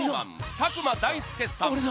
佐久間大介さん